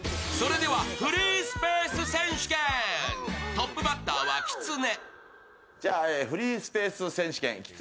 トップバッターはきつね。